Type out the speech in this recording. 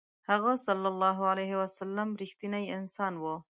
هغه ﷺ رښتینی انسان و.